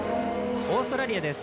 オーストラリアです。